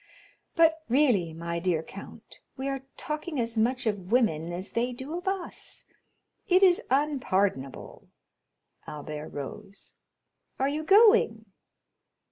But really, my dear count, we are talking as much of women as they do of us; it is unpardonable." Albert rose. "Are you going?"